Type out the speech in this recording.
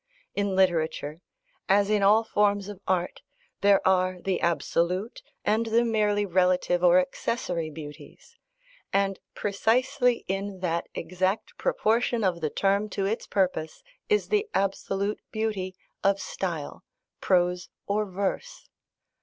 In literature, as in all forms of art, there are the absolute and the merely relative or accessory beauties; and precisely in that exact proportion of the term to its purpose is the absolute beauty of style, prose or verse.